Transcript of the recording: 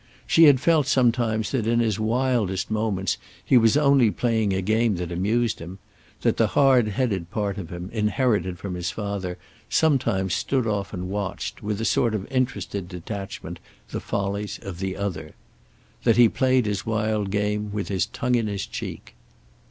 She had felt sometimes that in his wildest moments he was only playing a game that amused him; that the hard headed part of him inherited from his father sometimes stood off and watched, with a sort of interested detachment, the follies of the other. That he played his wild game with his tongue in his cheek.